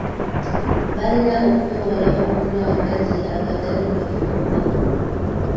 Balina okwewala okunywa amazzi agatali mafumbe.